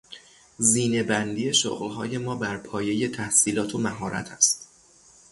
زینه بندی شغلهای ما برپایهی تحصیلات و مهارت است.